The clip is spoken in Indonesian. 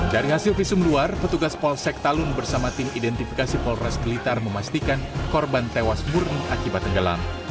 dari hasil visum luar petugas polsek talun bersama tim identifikasi polres blitar memastikan korban tewas murni akibat tenggelam